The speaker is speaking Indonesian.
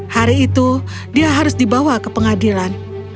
hari itu dia harus dibawa ke pengadilan